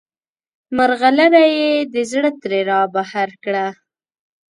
مرغلره یې د زړه ترې رابهر کړه.